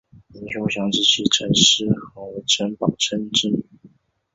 林熊祥之妻陈师桓为陈宝琛之女。